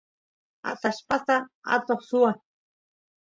atallpasta atoq swan